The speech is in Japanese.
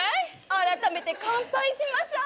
あらためて乾杯しましょう。